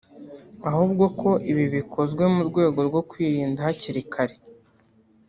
ahubwo ko ibi bikozwe mu rwego rwo kwirinda hakiri kare